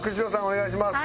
お願いします。